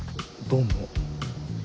どうも。